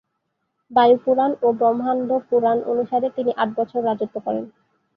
বায়ু পুরাণ ও ব্রহ্মাণ্ড পুরাণ অনুসারে, তিনি আট বছর রাজত্ব করেন।